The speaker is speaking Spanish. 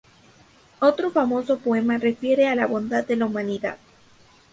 Otro famoso poema refiere a la bondad de la humanidad.